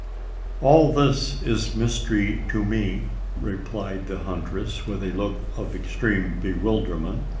"All this is mystery to me," replied the huntress, with a look of extreme bewilderment.